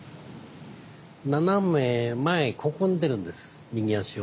斜め前ここに出るんです右足を。